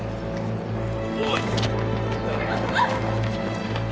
おい！